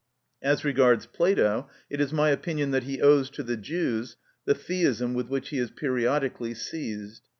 As regards Plato, it is my opinion that he owes to the Jews the theism with which he is periodically seized.